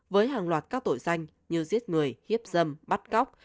với hàng loạt các tội danh như giết người hiếp dâm bắt cóc